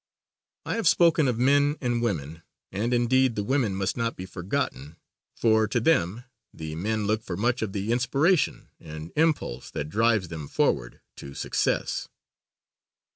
I have spoken of "men and women," and indeed the women must not be forgotten, for to them the men look for much of the inspiration and impulse that drives them forward to success.